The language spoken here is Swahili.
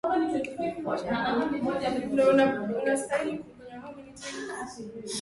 kumanisha kuwa pia wanaenda kufuata mwelekeo wa makabila mengi hapa afrika